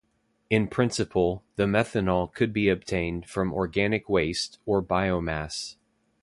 In principle, the methanol could be obtained from organic waste or biomass.